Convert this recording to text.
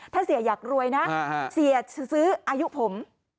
ถ้าเสียอยากรวยนะเสียซื้ออายุผม